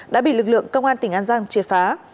đã bị lực lượng công an tỉnh an giang triệt phá